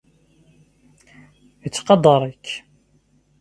Yettqadar-ik.